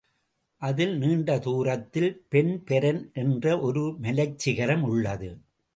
அதில் நீண்ட தூரத்தில் பெண்பெரன் என்ற ஒரு மலைச் சிகரம் உள்ளது.